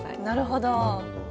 なるほど。